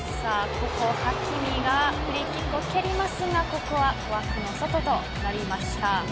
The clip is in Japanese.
ここはハキミがフリーキックを蹴りますがここは枠の外となりました。